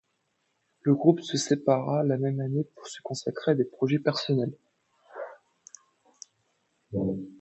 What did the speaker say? Le groupe se sépara la même année pour se consacrer à des projets personnels.